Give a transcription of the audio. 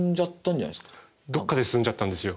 どっかで進んじゃったんですよ。